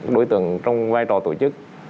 đối tượng trong vai trò tổ chức